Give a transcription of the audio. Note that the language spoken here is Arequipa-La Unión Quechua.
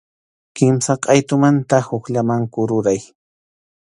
Kimsa qʼaytumanta hukllaman kururay.